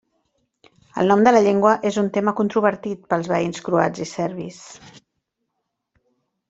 El nom de la llengua és un tema controvertit per als veïns croats i serbis.